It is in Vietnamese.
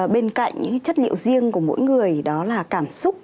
bên cạnh những chất liệu riêng của mỗi người đó là cảm xúc